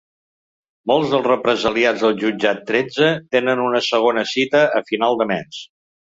Molts dels represaliats al jutjat tretze tenen una segona cita a final de mes.